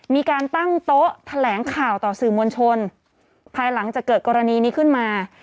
มีการตั้งโต๊ะแถลงข่าวต่อสื่อมวลชนภายหลังจากเกิดกรณีนี้ขึ้นมา